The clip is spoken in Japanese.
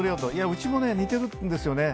うちも似てるんですよね。